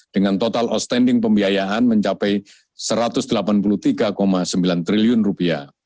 dengan total outstanding pembiayaan mencapai satu ratus delapan puluh tiga sembilan triliun rupiah